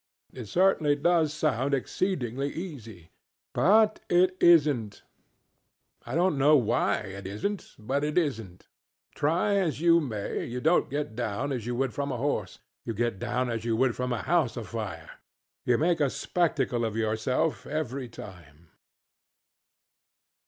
It certainly does sound exceedingly easy; but it isnŌĆÖt. I donŌĆÖt know why it isnŌĆÖt but it isnŌĆÖt. Try as you may, you donŌĆÖt get down as you would from a horse, you get down as you would from a house afire. You make a spectacle of yourself every time.